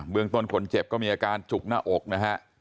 เมืองต้นคนเจ็บก็มีอาการจุกหน้าอกนะฮะ